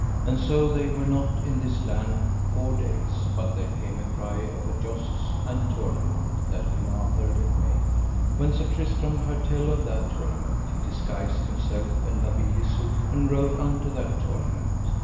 And so they were not in this land four days but there came a cry of a jousts and tournament that King Arthur let make. When Sir Tristram heard tell of that tournament he disguised himself, and La Beale Isoud, and rode unto that tournament.